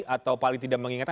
atau paling tidak mengingatkan